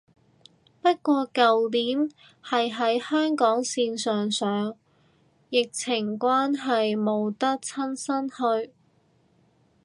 不過舊年係喺香港線上上，疫情關係冇得親身去